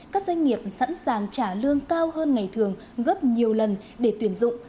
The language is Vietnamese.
các doanh nghiệp sẵn sàng trả lương cao hơn ngày thường gấp nhiều lần để tuyển dụng